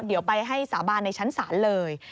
เดี๋ยวไปให้สาบานในชั้นศาลเลย